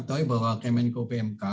tahu bahwa kemenko pmk